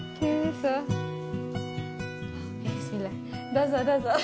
どうぞどうぞ。